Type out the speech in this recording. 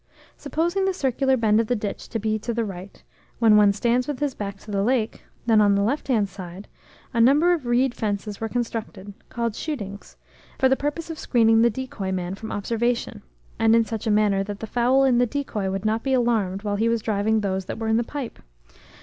Supposing the circular bend of the ditch to be to the right, when one stands with his back to the lake, then on the left hand side, a number of reed fences were constructed, called shootings, for the purpose of screening the decoy man from observation, and, in such a manner, that the fowl in the decoy would not be alarmed while he was driving those that were in the pipe.